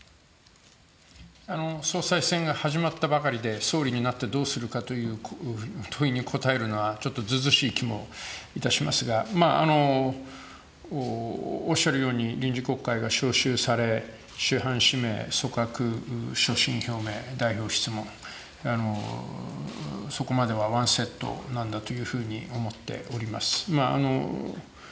総裁選が始まったばかりで、総理になってどうするかという問いに答えるのは、ちょっと図々しい気も致しますが、おっしゃるように、臨時国会が召集され、首班指名、組閣、所信表明、代表質問、そこまではワンセットなんだというふうに思っております。